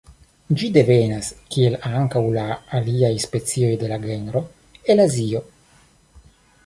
Ĝi devenas kiel ankaŭ la aliaj specioj de la genro el Azio.